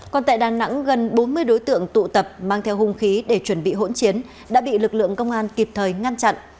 còn tại đà nẵng gần bốn mươi đối tượng tụ tập mang theo hung khí để chuẩn bị hỗn chiến đã bị lực lượng công an kịp thời ngăn chặn